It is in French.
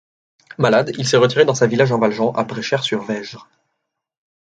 Malade, il s'est retiré dans sa villa Jean-Valjean à Berchères-sur-Vesgre.